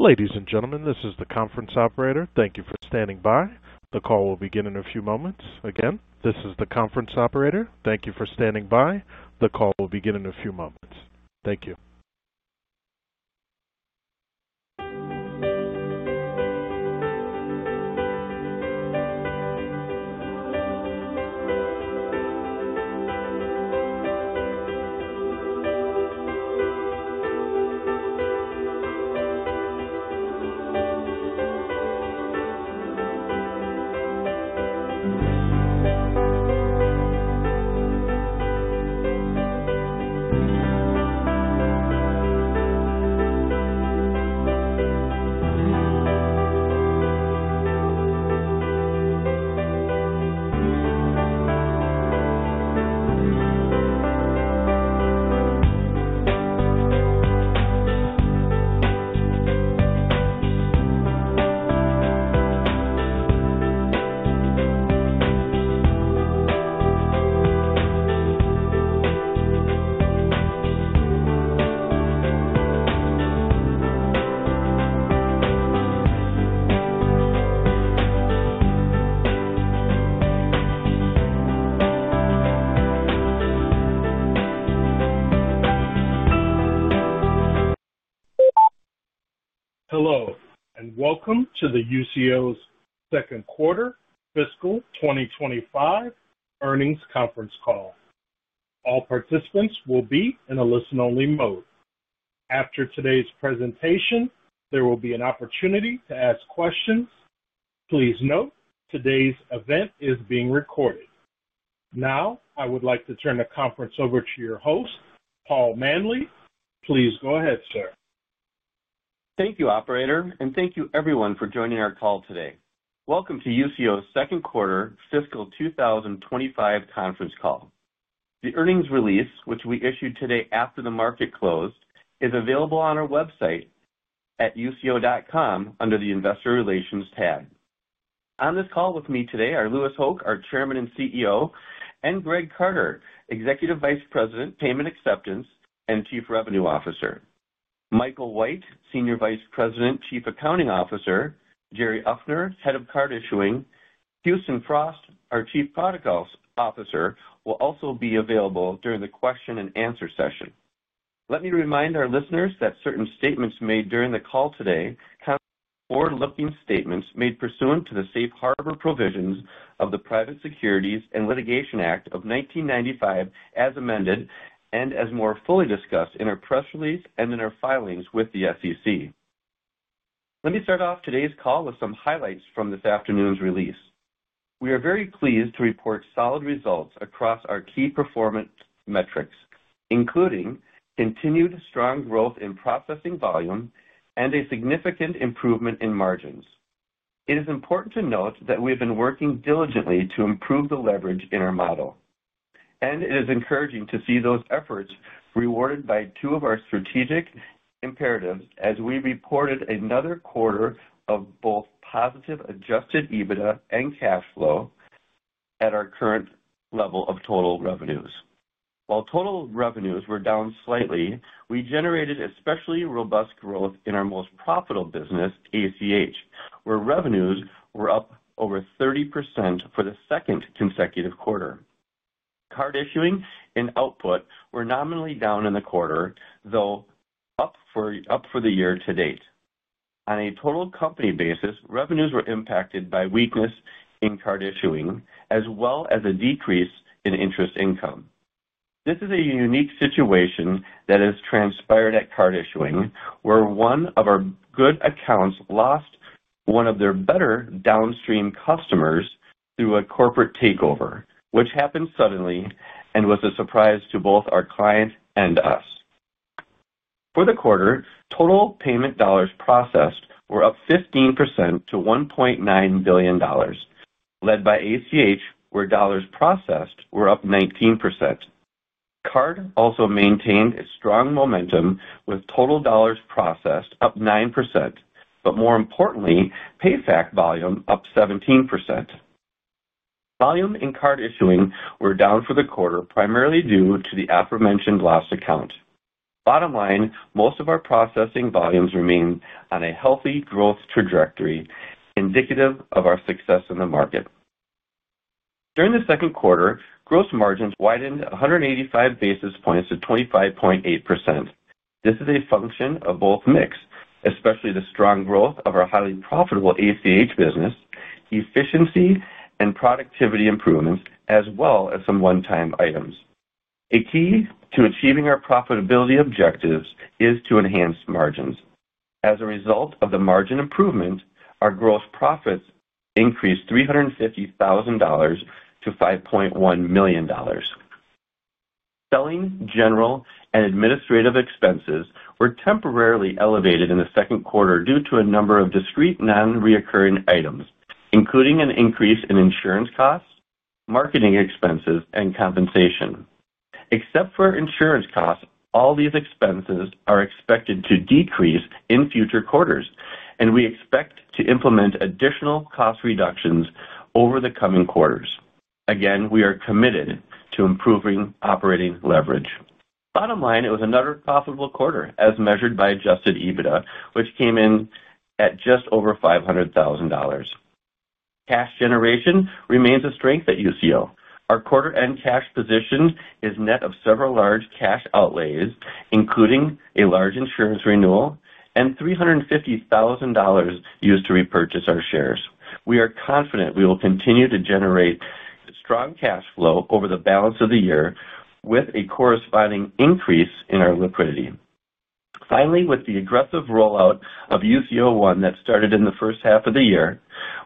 Ladies and gentlemen, this is the conference operator. Thank you for standing by. The call will begin in a few moments. Again, this is the conference operator. Thank you for standing by. The call will begin in a few moments. Thank you. Hello, and welcome to Usio's Second Quarter Fiscal 2025 earnings conference call. All participants will be in a listen-only mode. After today's presentation, there will be an opportunity to ask questions. Please note, today's event is being recorded. Now, I would like to turn the conference over to your host, Paul Manley. Please go ahead, sir. Thank you, operator, and thank you everyone for joining our call today. Welcome to Usio's second quarter fiscal 2025 conference call. The earnings release, which we issued today after the market closed, is available on our website at usio.com under the Investor Relations tab. On this call with me today are Louis Hoch, our Chairman and CEO, Greg Carter, Executive Vice President, Payment Acceptance and Chief Revenue Officer, Michael White, Senior Vice President, Chief Accounting Officer, and Jerry Uffner, Head of Card Issuing. Houston Frost, our Chief Protocols Officer, will also be available during the question-and-answer session. Let me remind our listeners that certain statements made during the call today are forward-looking statements made pursuant to the Safe Harbor provisions of the Private Securities Litigation Reform Act of 1995, as amended and as more fully discussed in our press release and in our filings with the SEC. Let me start off today's call with some highlights from this afternoon's release. We are very pleased to report solid results across our key performance metrics, including continued strong growth in processing volume and a significant improvement in margins. It is important to note that we have been working diligently to improve the leverage in our model, and it is encouraging to see those efforts rewarded by two of our strategic imperatives as we reported another quarter of both positive adjusted EBITDA and cash flow at our current level of total revenues. While total revenues were down slightly, we generated especially robust growth in our most profitable business, ACH, where revenues were up over 30% for the second consecutive quarter. Card issuing and output were nominally down in the quarter, though up for the year to date. On a total company basis, revenues were impacted by weakness in Card Issuing, as well as a decrease in interest income. This is a unique situation that has transpired at Card Issuing, where one of our good accounts lost one of their better downstream customers through a corporate takeover, which happened suddenly and was a surprise to both our client and us. For the quarter, total payment dollars processed were up 15% to $1.9 billion, led by ACH, where dollars processed were up 19%. Card also maintained its strong momentum, with total dollars processed up 9%, but more importantly, Payfac volume up 17%. Volume in Card Issuing were down for the quarter, primarily due to the aforementioned lost account. Bottom line, most of our processing volumes remain on a healthy growth trajectory, indicative of our success in the market. During the second quarter, gross margins widened 185 basis points to 25.8%. This is a function of both mix, especially the strong growth of our highly profitable ACH business, efficiency and productivity improvements, as well as some one-time items. A key to achieving our profitability objectives is to enhance margins. As a result of the margin improvement, our gross profits increased $350,000 to $5.1 million. Selling, general and administrative expenses were temporarily elevated in the second quarter due to a number of discrete non-recurring items, including an increase in insurance costs, marketing expenses, and compensation. Except for insurance costs, all these expenses are expected to decrease in future quarters, and we expect to implement additional cost reductions over the coming quarters. Again, we are committed to improving operating leverage. Bottom line, it was another profitable quarter as measured by adjusted EBITDA, which came in at just over $500,000. Cash generation remains a strength at Usio. Our quarter-end cash position is net of several large cash outlays, including a large insurance renewal and $350,000 used to repurchase our shares. We are confident we will continue to generate strong cash flow over the balance of the year with a corresponding increase in our liquidity. Finally, with the aggressive rollout of Usio ONE that started in the first half of the year,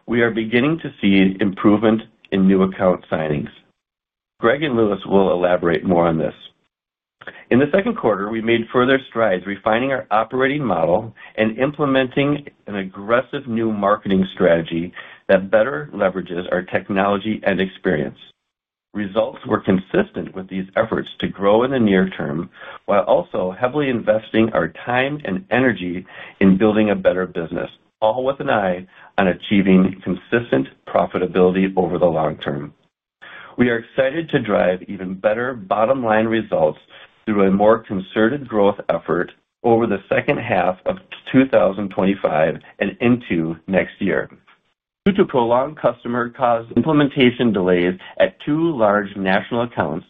we are beginning to see improvement in new account signings. Greg and Louis will elaborate more on this. In the second quarter, we made further strides, refining our operating model and implementing an aggressive new marketing strategy that better leverages our technology and experience. Results were consistent with these efforts to grow in the near term, while also heavily investing our time and energy in building a better business, all with an eye on achieving consistent profitability over the long term. We are excited to drive even better bottom-line results through a more concerted growth effort over the second half of 2025 and into next year. Due to prolonged customer cost implementation delays at two large national accounts,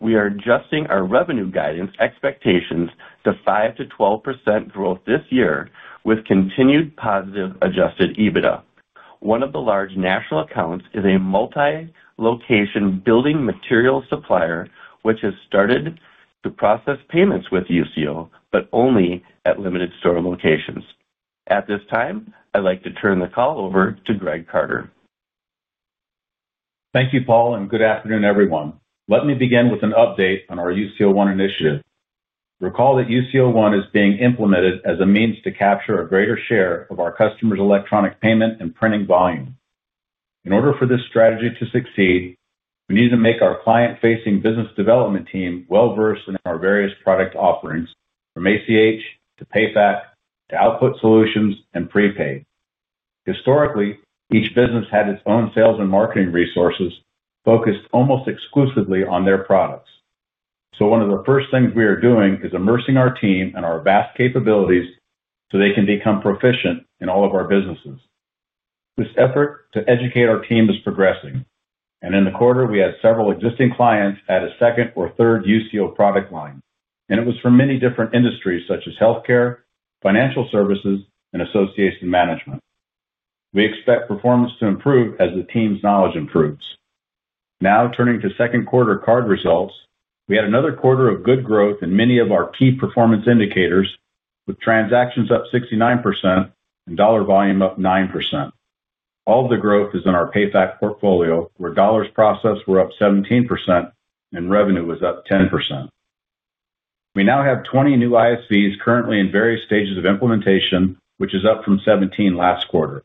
we are adjusting our revenue guidance expectations to 5%-12% growth this year, with continued positive adjusted EBITDA. One of the large national accounts is a multi-location building materials supplier, which has started to process payments with [Usio], but only at limited store locations. At this time, I'd like to turn the call over to Greg Carter. Thank you, Paul, and good afternoon, everyone. Let me begin with an update on our Usio ONE initiative. Recall that Usio ONE is being implemented as a means to capture a greater share of our customers' electronic payment and printing volume. In order for this strategy to succeed, we need to make our client-facing business development team well-versed in our various product offerings, from ACH to Payfac to Output Solutions and prepaid. Historically, each business had its own sales and marketing resources focused almost exclusively on their products. One of the first things we are doing is immersing our team in our vast capabilities so they can become proficient in all of our businesses. This effort to educate our team is progressing, and in the quarter, we had several existing clients add a second or third Usio product line, and it was for many different industries such as healthcare, financial services, and association management. We expect performance to improve as the team's knowledge improves. Now, turning to second quarter card results, we had another quarter of good growth in many of our key performance indicators, with transactions up 69% and dollar volume up 9%. All of the growth is in our Payfac portfolio, where dollars processed were up 17% and revenue was up 10%. We now have 20 new ISVs currently in various stages of implementation, which is up from 17 last quarter.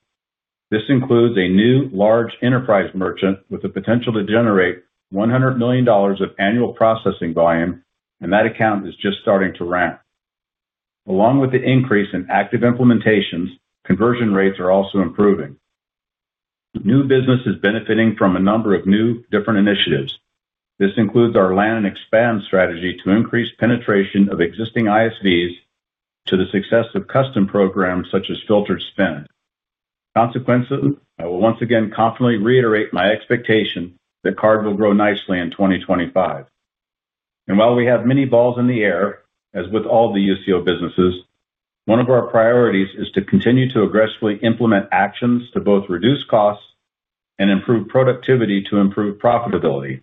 This includes a new large enterprise merchant with the potential to generate $100 million of annual processing volume, and that account is just starting to ramp. Along with the increase in active implementations, conversion rates are also improving. New business is benefiting from a number of new different initiatives. This includes our land expand strategy to increase penetration of existing ISVs to the success of custom programs such as filtered spend. Consequently, I will once again confidently reiterate my expectation that card will grow nicely in 2025. While we have many balls in the air, as with all the Usio businesses, one of our priorities is to continue to aggressively implement actions to both reduce costs and improve productivity to improve profitability.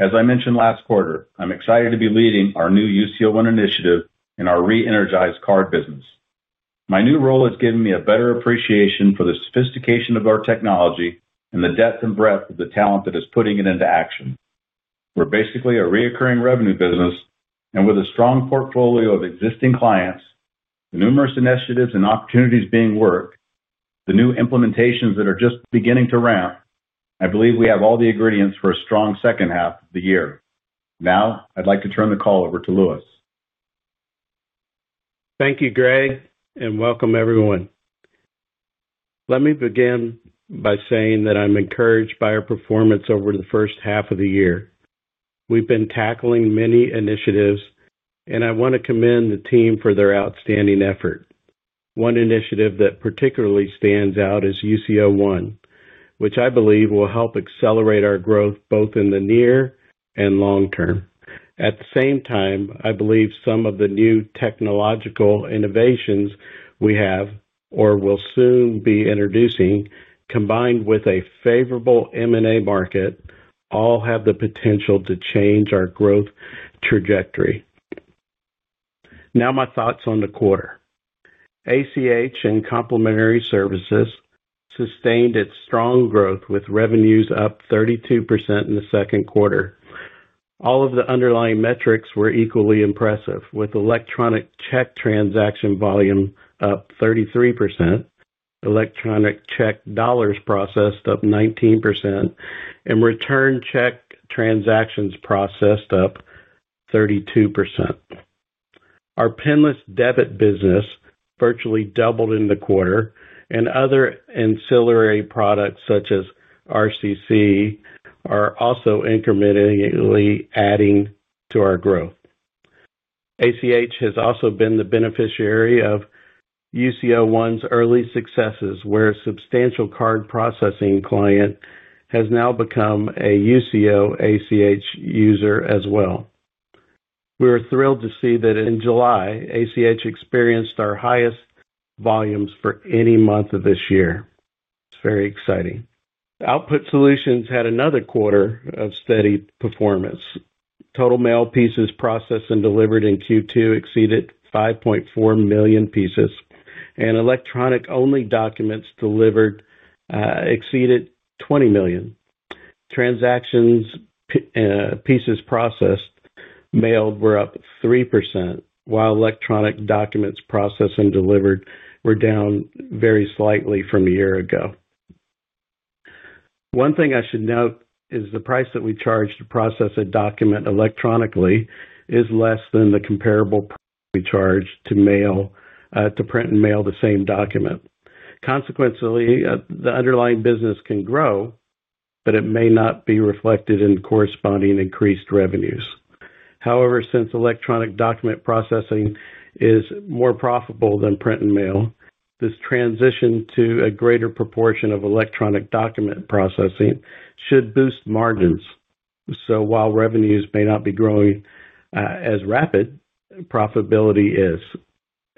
As I mentioned last quarter, I'm excited to be leading our new Usio ONE initiative in our re-energized card business. My new role has given me a better appreciation for the sophistication of our technology and the depth and breadth of the talent that is putting it into action. We're basically a recurring revenue business, and with a strong portfolio of existing clients, the numerous initiatives and opportunities being worked, the new implementations that are just beginning to ramp, I believe we have all the ingredients for a strong second half of the year. Now, I'd like to turn the call over to Louis. Thank you, Greg, and welcome everyone. Let me begin by saying that I'm encouraged by our performance over the first half of the year. We've been tackling many initiatives, and I want to commend the team for their outstanding effort. One initiative that particularly stands out is Usio ONE, which I believe will help accelerate our growth both in the near and long term. At the same time, I believe some of the new technological innovations we have, or will soon be introducing, combined with a favorable M&A market, all have the potential to change our growth trajectory. Now, my thoughts on the quarter. ACH and complementary services sustained its strong growth, with revenues up 32% in the second quarter. All of the underlying metrics were equally impressive, with electronic check transaction volume up 33%, electronic check dollars processed up 19%, and return check transactions processed up 32%. Our penless debit business virtually doubled in the quarter, and other ancillary products such as RCC are also incrementally adding to our growth. ACH has also been the beneficiary of Usio ONE's early successes, where a substantial card processing client has now become a Usio ACH user as well. We were thrilled to see that in July, ACH experienced our highest volumes for any month of this year. It's very exciting. Output Solutions had another quarter of steady performance. Total mail pieces processed and delivered in Q2 exceeded 5.4 million pieces, and electronic only documents delivered exceeded 20 million. Transactions, pieces processed, mailed were up 3%, while electronic documents processed and delivered were down very slightly from a year ago. One thing I should note is the price that we charge to process a document electronically is less than the comparable price we charge to print and mail the same document. Consequently, the underlying business can grow, but it may not be reflected in corresponding increased revenues. However, since electronic document processing is more profitable than print and mail, this transition to a greater proportion of electronic document processing should boost margins. While revenues may not be growing as rapid, profitability is,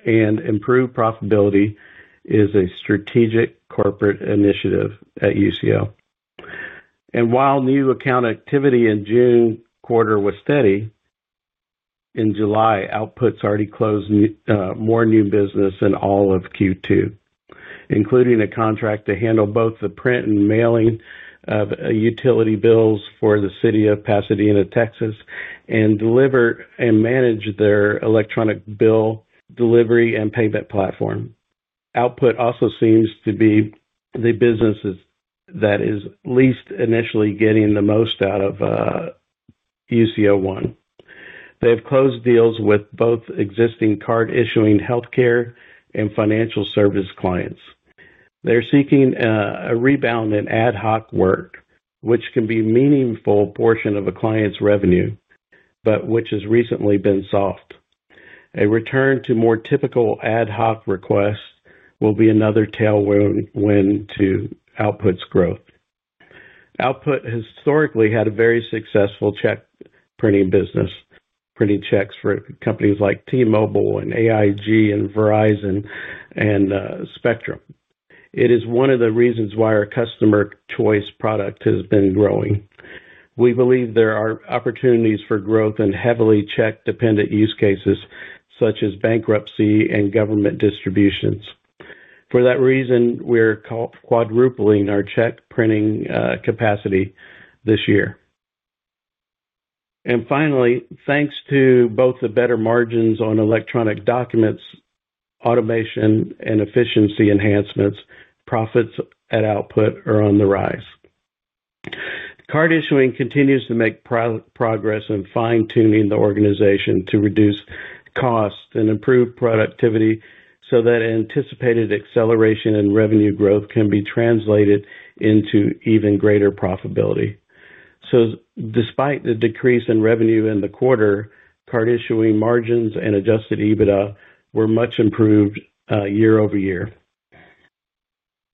and improved profitability is a strategic corporate initiative at Usio. While new account activity in the June quarter was steady, in July, Output Solutions already closed more new business than all of Q2, including a contract to handle both the print and mailing of utility bills for the city of Pasadena, Texas, and deliver and manage their electronic bill delivery and payment platform. Output Solutions also seems to be the business that is least initially getting the most out of Usio ONE. They have closed deals with both existing card issuing healthcare and financial service clients. They are seeking a rebound in ad hoc work, which can be a meaningful portion of a client's revenue, but which has recently been soft. A return to more typical ad hoc requests will be another tailwind to Output Solutions' growth. Output Solutions historically had a very successful check printing business, printing checks for companies like T-Mobile, AIG, Verizon, and Spectrum. It is one of the reasons why our customer choice product has been growing. We believe there are opportunities for growth in heavily check-dependent use cases, such as bankruptcy and government distributions. For that reason, we are quadrupling our check printing capacity this year. Finally, thanks to both the better margins on electronic documents, automation, and efficiency enhancements, profits at Output Solutions are on the rise. Card Issuing continues to make progress in fine-tuning the organization to reduce costs and improve productivity so that anticipated acceleration in revenue growth can be translated into even greater profitability. Despite the decrease in revenue in the quarter, Card Issuing margins and adjusted EBITDA were much improved year over year.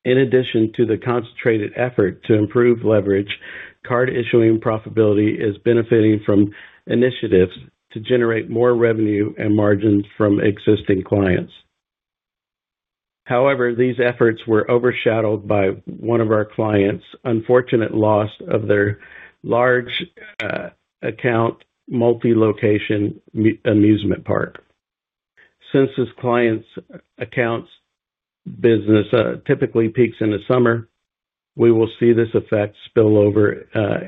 In addition to the concentrated effort to improve leverage, Card Issuing profitability is benefiting from initiatives to generate more revenue and margins from existing clients. However, these efforts were overshadowed by one of our clients' unfortunate loss of their large account multi-location amusement park. Since this client's account's business typically peaks in the summer, we will see this effect spill over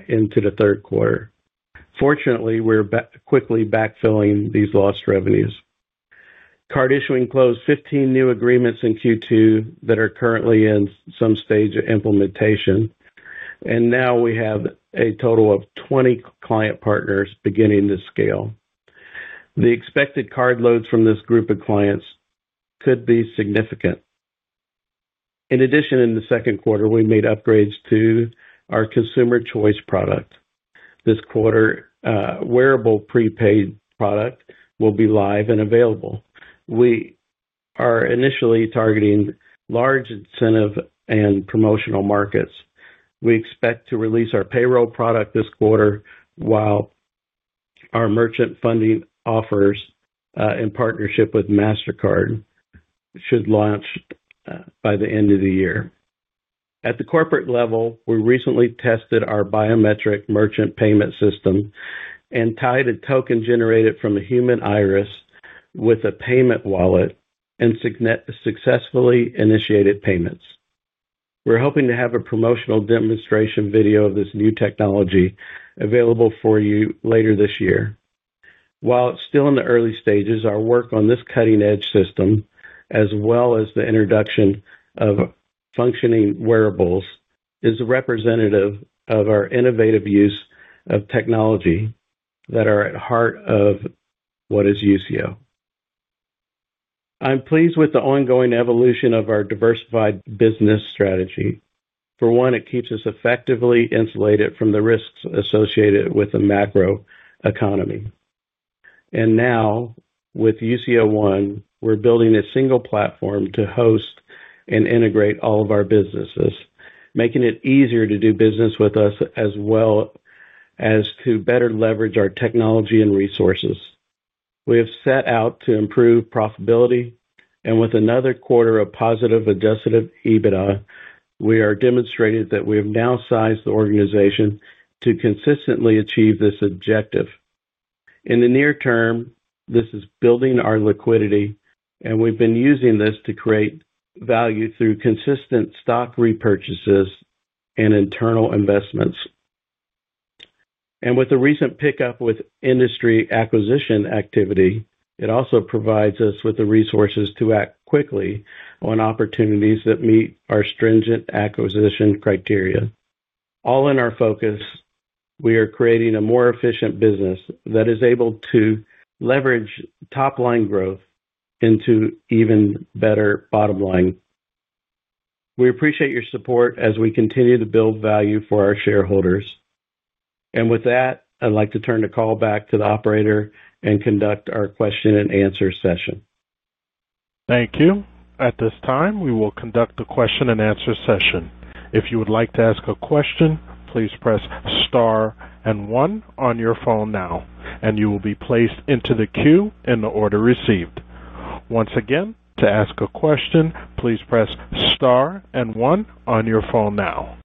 into the third quarter. Fortunately, we are quickly backfilling these lost revenues. Card Issuing closed 15 new agreements in Q2 that are currently in some stage of implementation, and now we have a total of 20 client partners beginning to scale. The expected card loads from this group of clients could be significant. In addition, in the second quarter, we made upgrades to our customer choice product. This quarter, wearable prepaid product will be live and available. We are initially targeting large incentive and promotional markets. We expect to release our payroll product this quarter, while our merchant funding offers in partnership with Mastercard should launch by the end of the year. At the corporate level, we recently tested our biometric merchant payment system and tied a token generated from a human iris with a payment wallet and successfully initiated payments. We're hoping to have a promotional demonstration video of this new technology available for you later this year. While it's still in the early stages, our work on this cutting-edge system, as well as the introduction of functioning wearables, is representative of our innovative use of technology that are at heart of what is Usio. I'm pleased with the ongoing evolution of our diversified business strategy. For one, it keeps us effectively insulated from the risks associated with a macro economy. Now, with Usio ONE, we're building a single platform to host and integrate all of our businesses, making it easier to do business with us as well as to better leverage our technology and resources. We have set out to improve profitability, and with another quarter of positive adjusted EBITDA, we are demonstrating that we have now sized the organization to consistently achieve this objective. In the near term, this is building our liquidity, and we've been using this to create value through consistent stock repurchases and internal investments. With the recent pickup with industry acquisition activity, it also provides us with the resources to act quickly on opportunities that meet our stringent acquisition criteria. All in our focus, we are creating a more efficient business that is able to leverage top-line growth into even better bottom line. We appreciate your support as we continue to build value for our shareholders. With that, I'd like to turn the call back to the operator and conduct our question-and-answer session. Thank you. At this time, we will conduct the question and answer session. If you would like to ask a question, please press star and one on your phone now, and you will be placed into the queue in the order received. Once again, to ask a question, please press star and one on your phone now.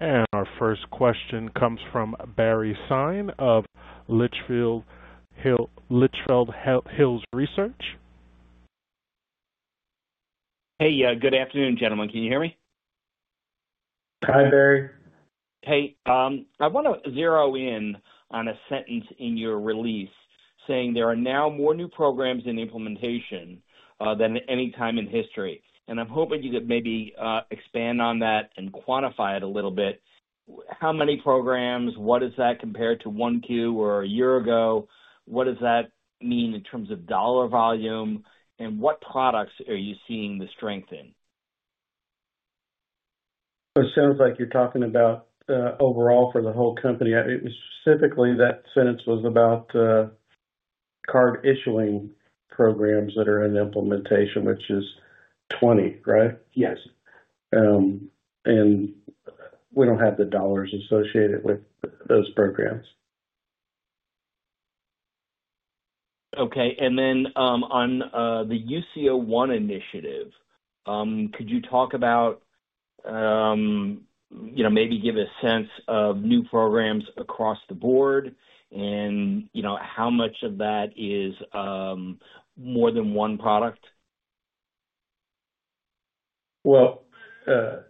Our first question comes from Barry Sine of Litchfield Hills Research. Hey, good afternoon, gentlemen. Can you hear me? Hi, Barry. I want to zero in on a sentence in your release saying there are now more new programs in implementation than at any time in history. I'm hoping you could maybe expand on that and quantify it a little bit. How many programs? What does that compare to one quarter or a year ago? What does that mean in terms of dollar volume? What products are you seeing the strength in? It sounds like you're talking about overall for the whole company. Specifically, that sentence was about Card Issuing programs that are in implementation, which is [20], right? Yes. We don't have the dollars associated with those programs. Okay. On the Usio ONE initiative, could you talk about, you know, maybe give a sense of new programs across the board and how much of that is more than one product? The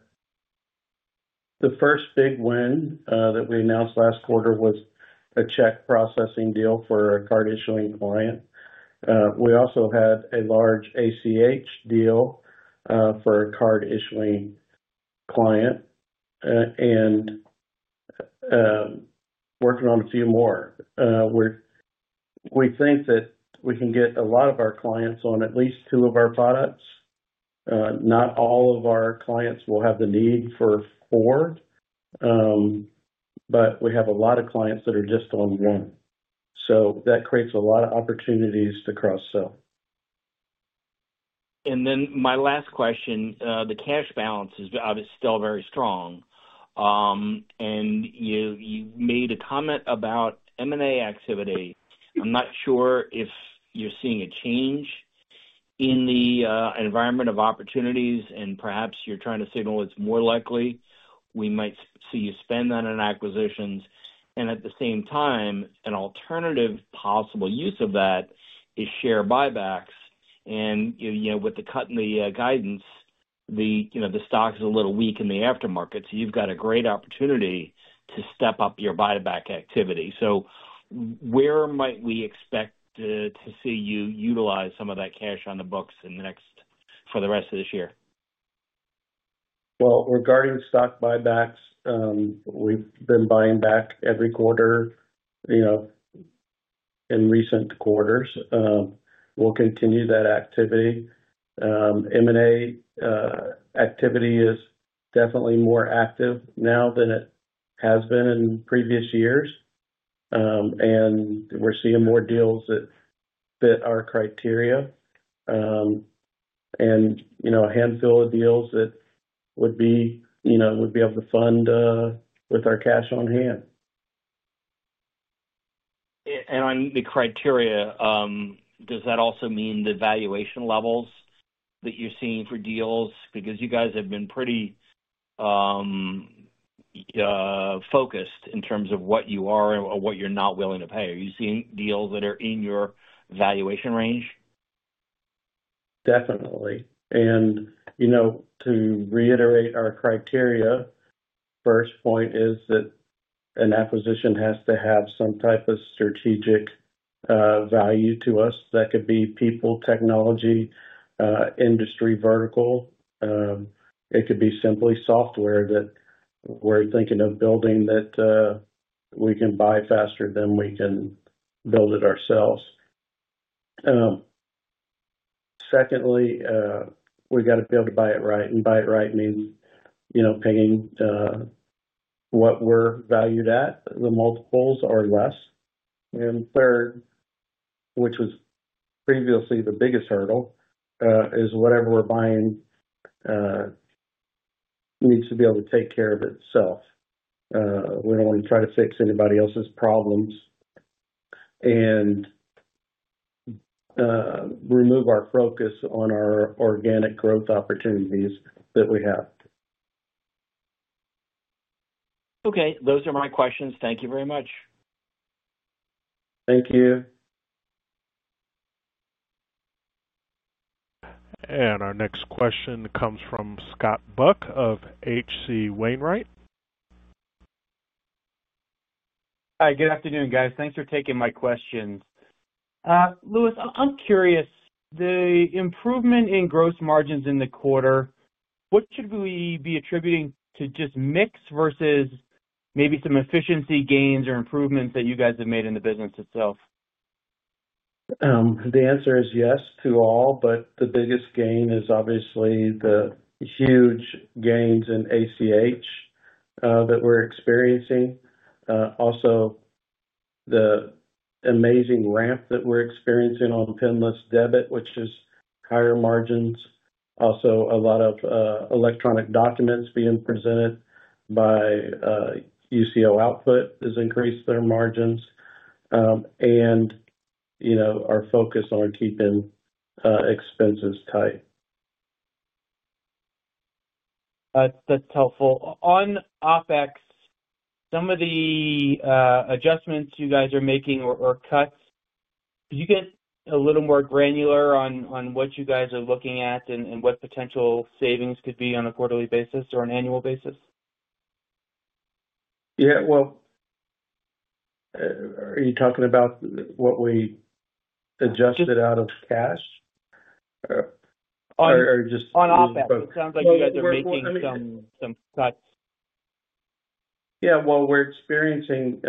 first big win that we announced last quarter was a check processing deal for a Card Issuing client. We also had a large ACH deal for a Card Issuing client and are working on a few more. We think that we can get a lot of our clients on at least two of our products. Not all of our clients will have the need for four, but we have a lot of clients that are just on one. That creates a lot of opportunities to cross-sell. My last question, the cash balance is obviously still very strong. You made a comment about M&A activity. I'm not sure if you're seeing a change in the environment of opportunities, and perhaps you're trying to signal it's more likely we might see you spend on acquisitions. At the same time, an alternative possible use of that is share buybacks. You know, with the cut in the guidance, the stock is a little weak in the aftermarket. You've got a great opportunity to step up your buyback activity. Where might we expect to see you utilize some of that cash on the books for the rest of this year? Regarding stock buybacks, we've been buying back every quarter in recent quarters. We'll continue that activity. M&A activity is definitely more active now than it has been in previous years. We're seeing more deals that fit our criteria, and a handful of deals that would be able to fund with our cash on hand. On the criteria, does that also mean the valuation levels that you're seeing for deals? You guys have been pretty focused in terms of what you are or what you're not willing to pay. Are you seeing deals that are in your valuation range? Definitely. To reiterate our criteria, the first point is that an acquisition has to have some type of strategic value to us. That could be people, technology, or industry vertical. It could be simply software that we're thinking of building that we can buy faster than we can build it ourselves. Secondly, we've got to be able to buy it right. Buying it right means paying what we're valued at, the multiples or less. Third, which was previously the biggest hurdle, is whatever we're buying needs to be able to take care of itself. We don't want to try to fix anybody else's problems and remove our focus on our organic growth opportunities that we have. Okay. Those are my questions. Thank you very much. Thank you. Our next question comes from Scott Buck of H.C. Wainwright. Hi. Good afternoon, guys. Thanks for taking my question. Louis, I'm curious, the improvement in gross margins in the quarter, what should we be attributing to just mix versus maybe some efficiency gains or improvements that you guys have made in the business itself? The answer is yes to all, but the biggest gain is obviously the huge gains in ACH that we're experiencing. Also, the amazing ramp that we're experiencing on the penless debit, which is higher margins. Also, a lot of electronic documents being presented by Usio Output has increased their margins. You know, our focus on keeping expenses tight. That's helpful. On OpEx, some of the adjustments you guys are making or cuts, could you get a little more granular on what you guys are looking at and what potential savings could be on a quarterly basis or an annual basis? Yeah. Are you talking about what we adjusted out of cash? On OpEx, it sounds like you guys are making some cuts. Yeah. We're experiencing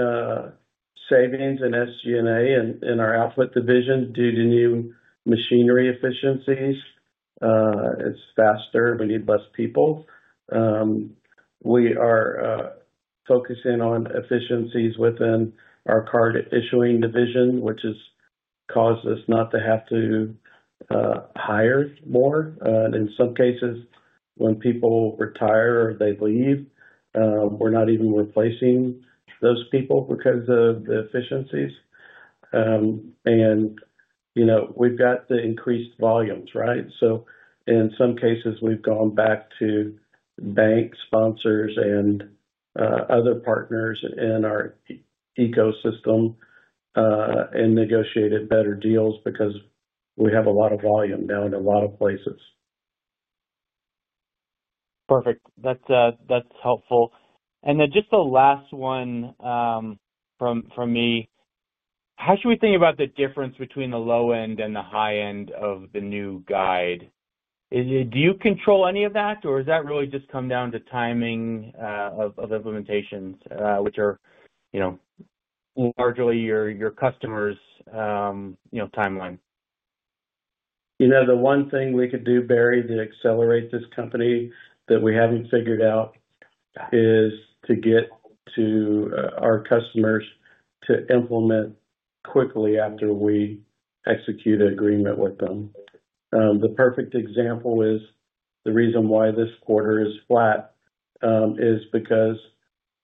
savings in SG&A and in our Output division due to new machinery efficiencies. It's faster. We need less people. We are focusing on efficiencies within our Card Issuing division, which has caused us not to have to hire more. In some cases, when people retire or they leave, we're not even replacing those people because of the efficiencies. We've got the increased volumes, right? In some cases, we've gone back to bank sponsors and other partners in our ecosystem and negotiated better deals because we have a lot of volume now in a lot of places. Perfect. That's helpful. Just the last one from me, how should we think about the difference between the low end and the high end of the new guide? Do you control any of that, or does that really just come down to timing of implementations, which are largely your customers' timeline? You know, the one thing we could do, Barry, that accelerates this company that we haven't figured out is to get our customers to implement quickly after we execute an agreement with them. The perfect example is the reason why this quarter is flat is because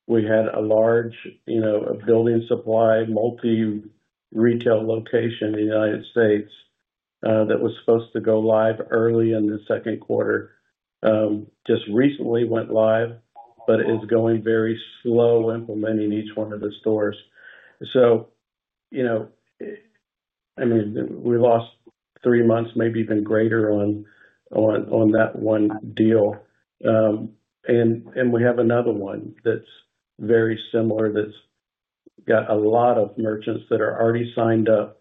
we had a large, you know, a building supply, multi-retail location in the United States that was supposed to go live early in the second quarter. It just recently went live, but it's going very slow implementing each one of the stores. I mean, we lost three months, maybe even greater on that one deal. We have another one that's very similar that's got a lot of merchants that are already signed up,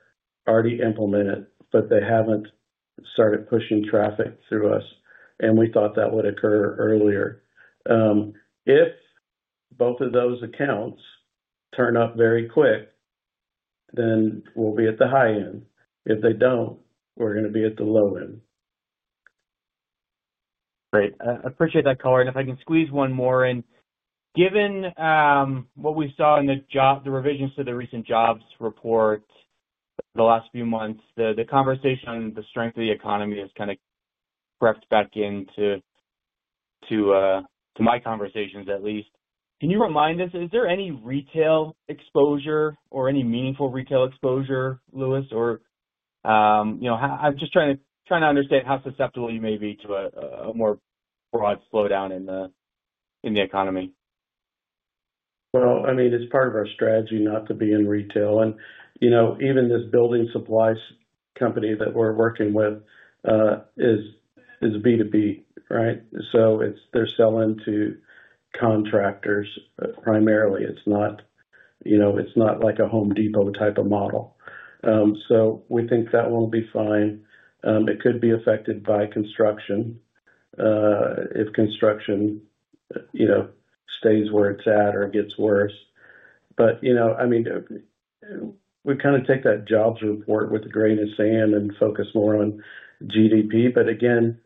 already implemented, but they haven't started pushing traffic through us. We thought that would occur earlier. If both of those accounts turn up very quick, then we'll be at the high end. If they don't, we're going to be at the low end. Great. I appreciate that caller. If I can squeeze one more in, given what we saw in the job, the revisions to the recent jobs report the last few months, the conversation on the strength of the economy has kind of crept back into my conversations, at least. Can you remind us, is there any retail exposure or any meaningful retail exposure, Louis, or you know, I'm just trying to understand how susceptible you may be to a more broad slowdown in the economy? It is part of our strategy not to be in retail. Even this building supplies company that we're working with is B2B, right? They're selling to contractors primarily. It's not like a Home Depot type of model. We think that will be fine. It could be affected by construction if construction stays where it's at or gets worse. We kind of take that jobs report with a grain of sand and focus more on GDP. Again,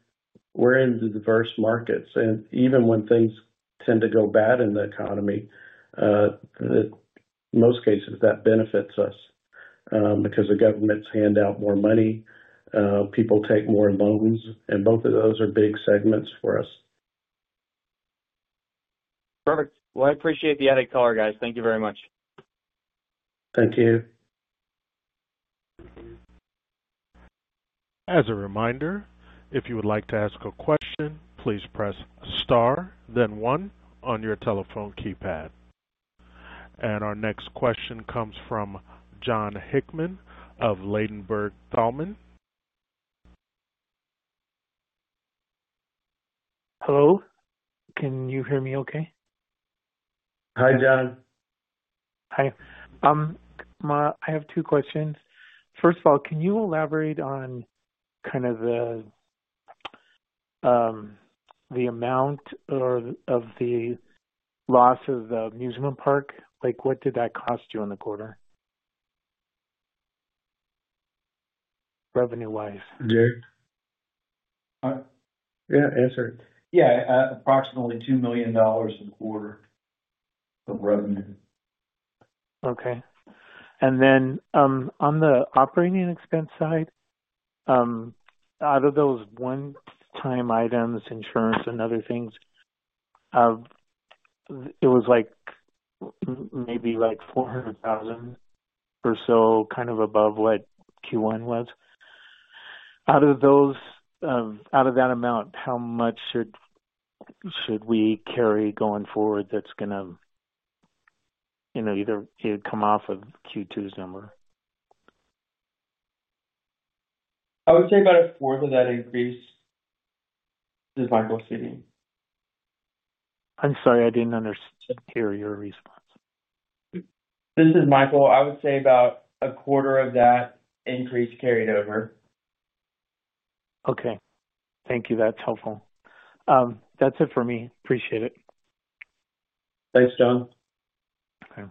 we're in the diverse markets. Even when things tend to go bad in the economy, in most cases, that benefits us because the government's hand out more money, people take more loans, and both of those are big segments for us. Perfect. I appreciate the added caller, guys. Thank you very much. Thank you. As a reminder, if you would like to ask a question, please press star, then one on your telephone keypad. Our next question comes from Jon Hickman of Ladenburg Thalmann. Hello. Can you hear me okay? Hi, John. Hi. I have two questions. First of all, can you elaborate on the amount of the loss of the amusement park? What did that cost you in the quarter revenue-wise? Yeah, approximately $2 million in the quarter of revenue. Okay. On the operating expense side, out of those one-time items, insurance, and other things, it was like maybe $400,000 or so, kind of above what Q1 was. Out of that amount, how much should we carry going forward that's going to, you know, either come off of Q2's number? I would say about a fourth of that increase is my [question]. I'm sorry. I didn't understand your response. This is Michael. I would say about a quarter of that increase carried over. Okay. Thank you. That's helpful. That's it for me. Appreciate it. Thanks, John. Okay.